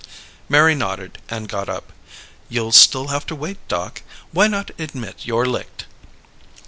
Mary nodded and got up. "You'll still have to wait, Doc. Why not admit you're licked?"